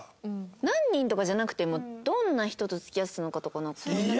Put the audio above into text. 何人とかじゃなくてもどんな人と付き合ってたのかとか。